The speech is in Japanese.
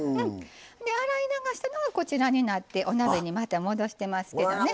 洗い流したのがこちらになってお鍋にまた戻してますけどね。